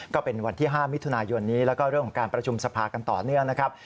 ก็เป็นวันที่๕มิถุนายนนี้แล้วก็เรื่องของการประชุมสภากันต่อเนื่องนะครับ